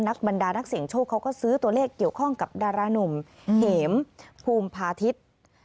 บรรดานักเสียงโชคเขาก็ซื้อตัวเลขเกี่ยวข้องกับดารานุ่มเหมภูมิพาทิศ